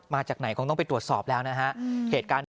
มาจากไหนคงต้องไปตรวจสอบแล้วนะคะ